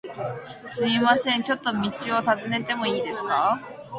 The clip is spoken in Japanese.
すみません、ちょっと道を尋ねてもいいですか？